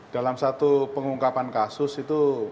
dalam satu pengungkapan kasus itu